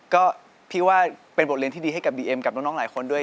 ก็พี่ว่าเป็นบทเรียนที่ดีให้กับดีเอ็มกับน้องหลายคนด้วย